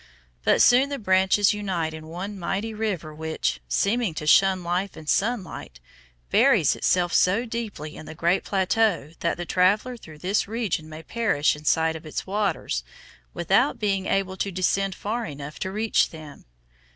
But soon the branches unite in one mighty river which, seeming to shun life and sunlight, buries itself so deeply in the great plateau that the traveller through this region may perish in sight of its waters without being able to descend far enough to reach them.